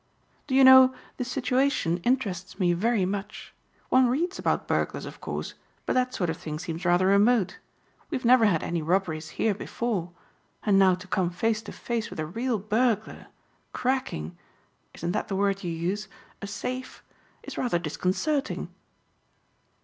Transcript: "Do you know this situation interests me very much. One reads about burglars, of course, but that sort of thing seems rather remote. We've never had any robberies here before, and now to come face to face with a real burglar, cracking isn't that the word you use? a safe, is rather disconcerting."